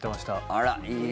あら、いい。